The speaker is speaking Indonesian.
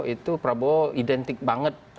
itu prabowo identik banget